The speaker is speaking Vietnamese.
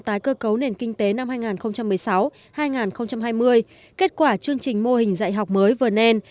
tái cơ cấu nền kinh tế năm hai nghìn một mươi sáu hai nghìn hai mươi kết quả chương trình mô hình dạy học mới vừa nên